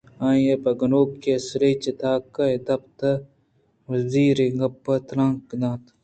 آئی ءَ پہ گنوکی سلیج ءِ تاک ءِ دپ پہ زبری ءَ گپت ءُتیلانک دات